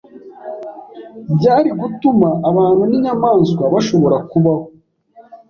byari gutuma abantu n’inyamaswa bashobora kubaho